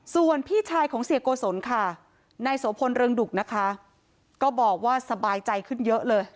ส่วนพี่ชายของเสียโกศลค่ะนายโสพลเรืองดุกนะคะก็บอกว่าสบายใจขึ้นเยอะเลย